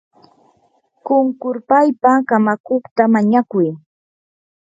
qunqurpaypa kamakuqta mañakuy.